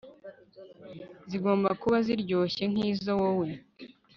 zigomba kuba ziryoshye nkizo wowe